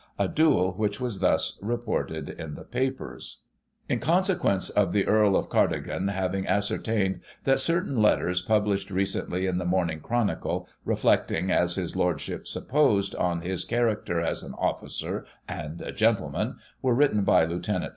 a duel which was thus reported in the papers: 10 Digitized by Google 146 GOSSIP. [1840 In consequence of the Earl of Cardig^ having ascertained that certain letters published recently in the Morning Chronicley reflecting, as his lordship supposed, on his character as an officer and a gentleman, were written by Lieut.